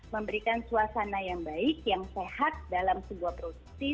memberikan suasana yang baik yang sehat dalam sebuah produksi